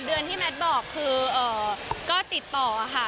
เดือนที่แมทบอกคือก็ติดต่อค่ะ